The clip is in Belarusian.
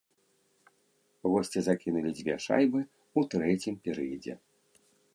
Госці закінулі дзве шайбы ў трэцім перыядзе.